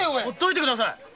ほっといてください！